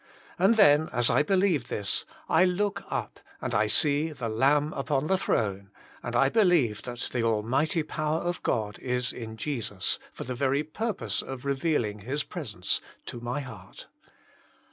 And then as I believe this, I look up and I see the Lamb upon the Throne, and I believe that the Al mighty power of God is in Jesus for the very purpose of revealing His pre sence to my heart.